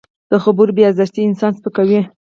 د خبرو بې ارزښتي انسان سپکوي